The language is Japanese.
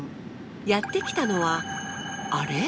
やって来たのはあれ？